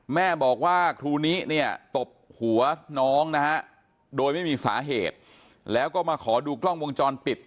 แม่บอกว่าครูนิเนี่ยตบหัวน้องนะฮะโดยไม่มีสาเหตุแล้วก็มาขอดูกล้องวงจรปิด